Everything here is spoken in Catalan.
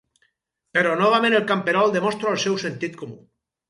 Però novament el camperol demostra el seu sentit comú.